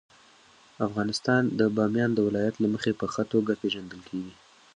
افغانستان د بامیان د ولایت له مخې په ښه توګه پېژندل کېږي.